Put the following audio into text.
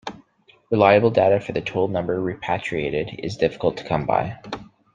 Reliable data for the total number repatriated is difficult to come by.